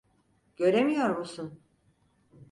Göremiyor musun?